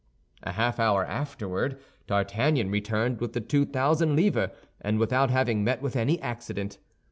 A half hour afterward, D'Artagnan returned with the two thousand livres, and without having met with any accident.